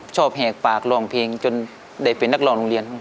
แหกปากร้องเพลงจนได้เป็นนักร้องโรงเรียน